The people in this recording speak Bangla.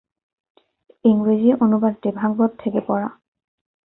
ইংরেজি অনুবাদটি ভাগবত থেকে পড়া।